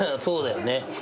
そうだよね。